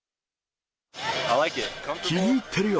気に入ってるよ！